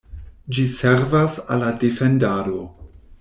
Ĝi servas al la defendado.